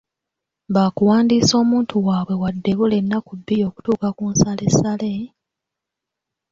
Bakuwandiisa omuntu waabwe wadde ebula ennaku bbiri okutuuka ku nsalessale,